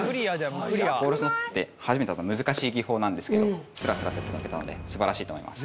フォールスノットって初めてだと難しい技法なんですけどすらすらとやっていただけたので素晴らしいと思います